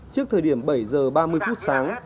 trước thời điểm bảy giờ ba mươi phút sáng